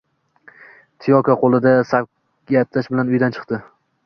Tiyoko qo`lida sakvoyaj bilan uyidan chiqdi